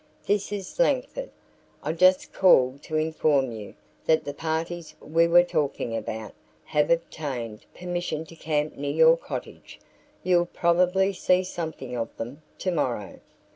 "This is Langford. I just called to inform you that the parties we were talking about have obtained permission to camp near your cottage. You'll probably see something of them tomorrow."